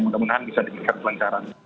mudah mudahan bisa diberikan kelancaran